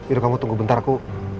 iya kamu tunggu bentar aku